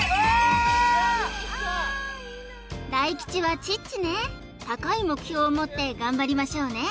大吉はチッチね高い目標をもって頑張りましょうね！